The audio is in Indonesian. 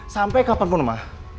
sampai kapanpun ma